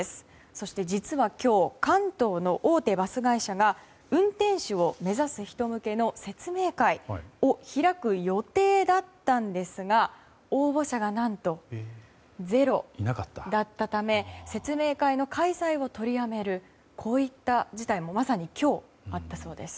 そして、実は今日関東の大手バス会社が運転手を目指す人向けの説明会を開く予定だったんですが応募者が何と０だったため説明会の開催を取りやめるといった事態がまさに今日あったそうです。